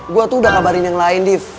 gue tuh udah kabarin yang lain deef